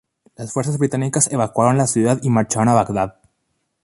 Las fuerzas británicas evacuaron la ciudad y marcharon a Bagdad.